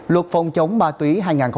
luật phòng chống ma túy hai nghìn hai mươi